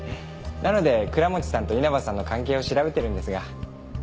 なので倉持さんと稲葉さんの関係を調べてるんですが。